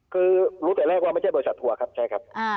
คือรู้แต่แรกว่าไม่ใช่บริษัททัวร์ครับใช่ครับ